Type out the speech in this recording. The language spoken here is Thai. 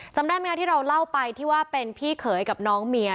จำได้ไหมคะที่เราเล่าไปที่ว่าเป็นพี่เขยกับน้องเมีย